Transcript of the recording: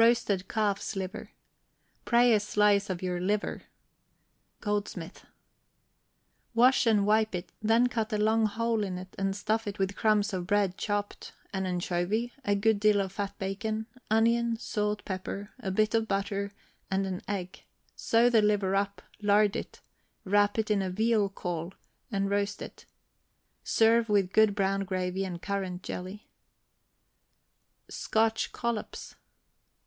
ROASTED CALF'S LIVER. Pray a slice of your liver. GOLDSMITH. Wash and wipe it, then cut a long hole in it, and stuff it with crumbs of bread, chopped, an anchovy, a good deal of fat bacon, onion, salt, pepper, a bit of butter, and an egg; sew the liver up, lard it, wrap it in a veal caul, and roast it. Serve with good brown gravy and currant jelly. SCOTCH COLLOPS.